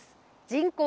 人口